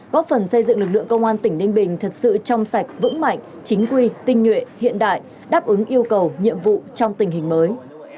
góp phần xây dựng lực lượng công an tỉnh ninh bình thật sự trong sạch vững mạnh chính quy tinh nhuệ hiện đại đáp ứng yêu cầu nhiệm vụ trong tình hình mới